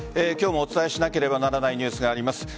今日もお伝えしなければならないニュースがあります。